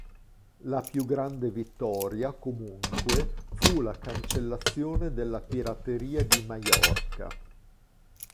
La più grande vittoria, comunque, fu la cancellazione della pirateria di Maiorca.